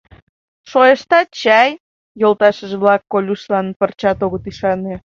— Шойыштат чай? — йолташыже-влак Колюшлан пырчат огыт ӱшане.